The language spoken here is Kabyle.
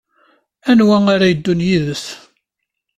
Anwa ara yeddun yid-s?